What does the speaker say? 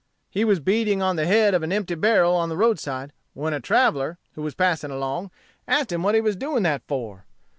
He was beating on the head of an empty barrel on the roadside, when a traveller, who was passing along, asked him what he was doing that for?